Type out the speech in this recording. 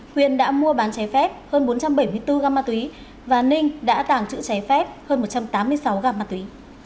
huyền đã mua bán trái phép hơn bốn trăm bảy mươi bốn g ma túy và ninh đã tàng trữ trái phép hơn một trăm tám mươi sáu g ma túy